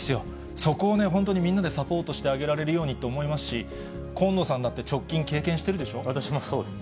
そこをね、本当にみんなでサポートしてあげられるようにと思いますし、近野さんだって、私もそうですね。